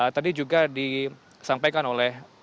tadi juga disampaikan oleh